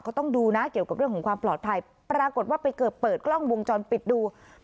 ต้องดูนะเกี่ยวกับเรื่องของความปลอดภัยปรากฏว่าไปเกิดเปิดกล้องวงจรปิดดู